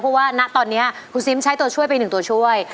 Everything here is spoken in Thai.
เพราะว่าณตอนนี้คุณซิมใช้ตัวช่วยไป๑ตัวช่วย